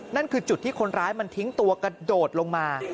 นั่นคือจุดที่คนร้ายมันทิ้งตัวกระโดดลงมา